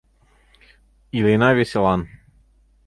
Илена веселан...»